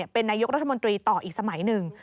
เป็นนายกรัฐมนตรีต่ออีกสมัยหนึ่ง